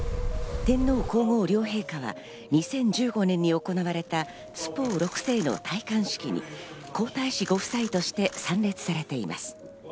天皇皇后両陛下は２０１５年に行われたツポウ６世の戴冠式に皇太子ご夫妻として参列されています。